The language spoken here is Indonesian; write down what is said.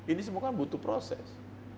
ini semua kan butuh proses